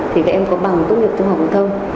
thì các em có bằng tốt nghiệp trung học phổ thông